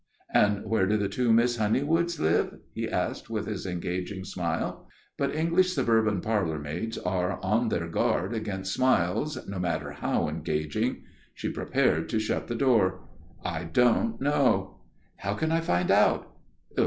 "And where do the two Miss Honeywood live?" he asked with his engaging smile. But English suburban parlour maids are on their guard against smiles, no matter how engaging. She prepared to shut the door. "I don't know." "How can I find out?"